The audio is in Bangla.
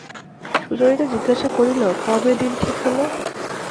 সুচরিতা জিজ্ঞাসা করিল, কবে দিন ঠিক হল?